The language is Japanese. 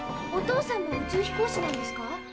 お父さんも宇宙飛行士なんですか？